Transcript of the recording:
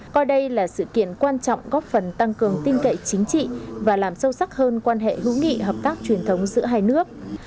coi đây là sự kiện quan trọng góp phần tăng cường tin cậy chính trị và làm sâu sắc hơn quan hệ hữu nghị hợp tác truyền thống giữa hai nước